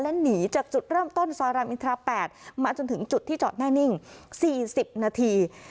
และหนีจากจุดเริ่มต้นซอยรามอินทรา๘มาจนถึงจุดที่จอดแน่นิ่ง๔๐นาที